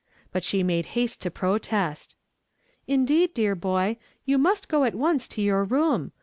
But she made haste to i)rotest. " Indeed, dear boy, you ninst go at once to your room.